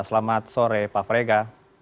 selamat sore pak frega